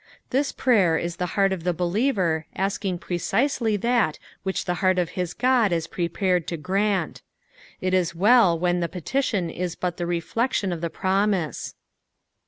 This prayer is the heart of the believer asking precisely that which the heart of his Qod is prepared to srant. It is well when the petition is but the reflection of the promise.